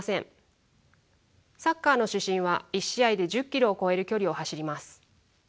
サッカーの主審は１試合で１０ｋｍを超える距離を走ります。